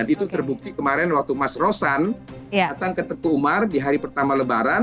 itu terbukti kemarin waktu mas rosan datang ke teguh umar di hari pertama lebaran